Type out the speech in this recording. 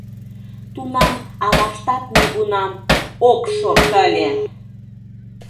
Тунам аваштат нигунам ок шорт ыле!